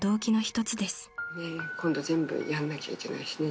今度全部やんなきゃいけないしね。